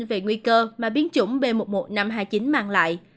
về nguy cơ mà biến chủng b một một năm trăm hai mươi chín mang lại